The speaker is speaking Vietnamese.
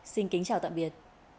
xin kính chào tạm biệt